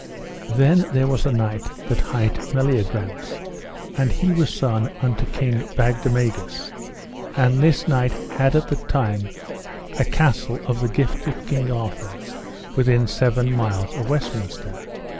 Then there was a knight that hight Meliagrance, and he was son unto King Bagdemagus, and this knight had at that time a castle of the gift of King Arthur within seven mile of Westminster.